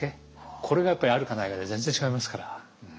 これがやっぱりあるかないかで全然違いますから。